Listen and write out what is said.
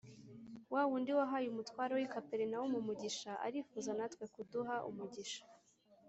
Wa wundi wahaye umutware w’i Kaperinawumu umugisha arifuza natwe kuduha umugisha